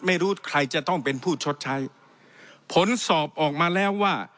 ไม่รู้ใครจะต้องเป็นผู้ชดใช้ผลสอบออกมาแล้วว่า